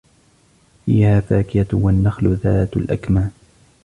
فِيهَا فَاكِهَةٌ وَالنَّخْلُ ذَاتُ الْأَكْمَامِ